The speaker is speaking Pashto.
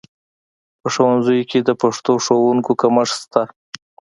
په ښوونځیو کې د پښتو ښوونکو کمښت شته